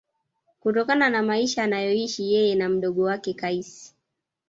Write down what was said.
Kutokana na maisha anayoishi yeye na mdogo wake Kaisi